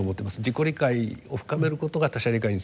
自己理解を深めることが他者理解に通じる。